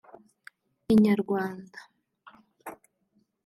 Inyarwanda